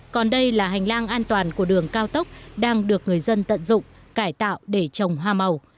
còn đây là hành lang an toàn của đường cao tốc đang được người dân tận dụng cải tạo để trồng hoa màu